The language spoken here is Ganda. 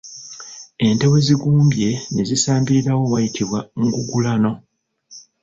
Ente we zigumbye ne zisambirirawo wayitibwa ngugulano.